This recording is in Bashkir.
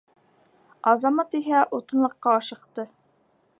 Азамат иһә утынлыҡҡа ашыҡты.